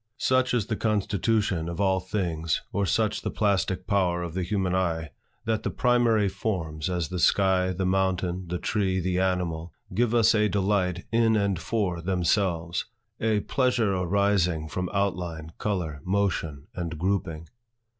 Such is the constitution of all things, or such the plastic power of the human eye, that the primary forms, as the sky, the mountain, the tree, the animal, give us a delight in and for themselves; a pleasure arising from outline, color, motion, and grouping.